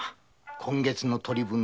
今月の取り分